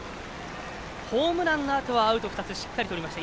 ホームランのあとはアウト２つしっかりとりました。